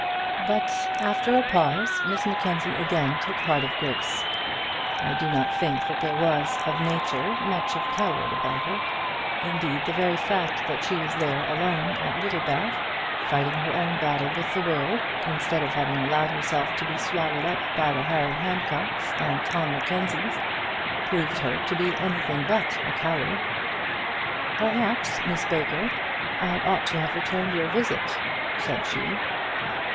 But, after a pause, Miss Mackenzie again took heart of grace. I do not think that there was, of nature, much of the coward about her. Indeed, the very fact that she was there alone at Littlebath, fighting her own battle with the world, instead of having allowed herself to be swallowed up by the Harry Handcocks, and Tom Mackenzies, proved her to be anything but a coward. "Perhaps, Miss Baker, I ought to have returned your visit," said she.